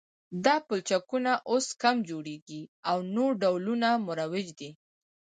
دا پلچکونه اوس کم جوړیږي او نور ډولونه مروج دي